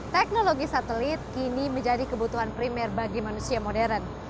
teknologi satelit kini menjadi kebutuhan primer bagi manusia modern